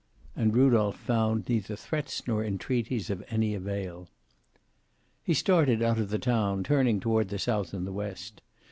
And Rudolph found neither threats nor entreaties of any avail. He started out of the town, turning toward the south and west.